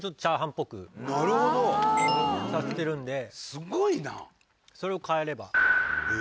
すごいな！